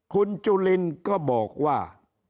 คุณจุลินก็บอกว่า